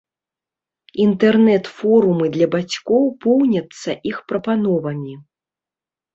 Інтэрнэт-форумы для бацькоў поўняцца іх прапановамі.